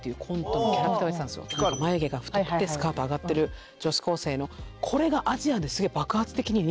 眉毛が太くてスカート上がってる女子高生のこれがアジアですげえ爆発的に人気になって。